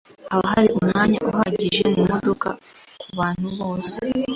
Haba hari umwanya uhagije mumodoka kubantu bose?